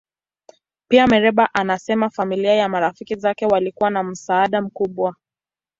Pia, Mereba anasema familia na marafiki zake walikuwa na msaada mkubwa.